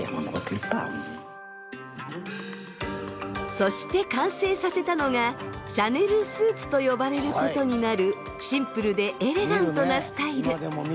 そして完成させたのがシャネルスーツと呼ばれることになるシンプルでエレガントなスタイル。